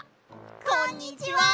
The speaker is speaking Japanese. こんにちは！